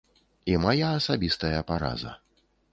І мая асабістая параза.